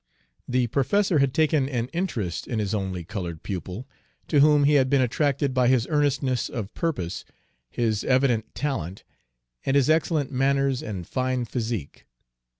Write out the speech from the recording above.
The professor had taken an interest in his only colored pupil, to whom he had been attracted by his earnestness of purpose, his evident talent, and his excellent manners and fine physique.